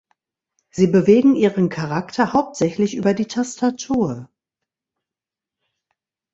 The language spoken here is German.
Sie bewegen Ihren Charakter hauptsächlich über die Tastatur.